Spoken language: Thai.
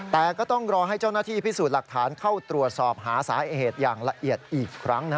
แต่ก็ต้องรอให้เจ้าหน้าที่พิสูจน์หลักฐานเข้าตรวจสอบหาสาเหตุอย่างละเอียดอีกครั้ง